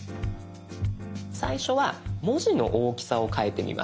最初は文字の大きさを変えてみます。